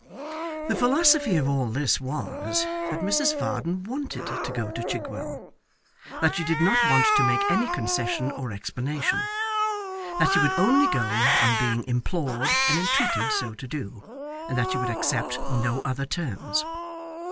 The philosophy of all this was, that Mrs Varden wanted to go to Chigwell; that she did not want to make any concession or explanation; that she would only go on being implored and entreated so to do; and that she would accept no other terms.